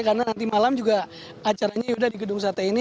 karena nanti malam juga acaranya yuda di gedung sate ini